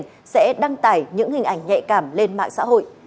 trà sẽ đăng tải những hình ảnh nhẹ cảm lên mạng xã hội